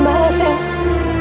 biar aja nur